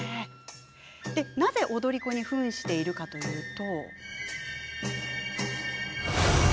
なぜ踊り子にふんしているのかというと。